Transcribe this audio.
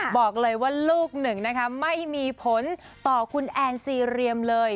บอกเลยว่าลูกหนึ่งนะคะไม่มีผลต่อคุณแอนซีเรียมเลย